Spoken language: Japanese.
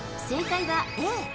正解はＡ。